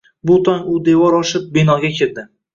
Bu tong u devor oshib, binoga kirdi.